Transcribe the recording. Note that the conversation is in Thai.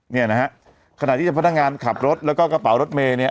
เนี่ยนะฮะขณะที่เจ้าพนักงานขับรถแล้วก็กระเป๋ารถเมย์เนี่ย